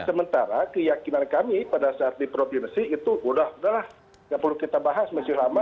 sementara keyakinan kami pada saat di provinsi itu udah udah lah nggak perlu kita bahas masih lama